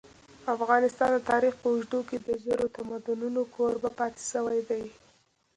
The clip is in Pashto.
افغانستان د تاریخ په اوږدو کي د زرو تمدنونو کوربه پاته سوی دی.